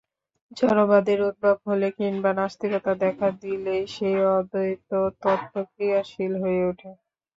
জড়বাদের উদ্ভব হলে কিম্বা নাস্তিকতা দেখা দিলেই সেই অদ্বৈততত্ত্ব ক্রিয়াশীল হয়ে ওঠে।